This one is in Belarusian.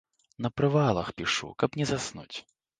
На прывалах пішу, каб не заснуць.